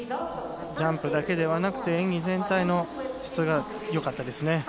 ジャンプだけではなくて演技全体の質がよかったですね。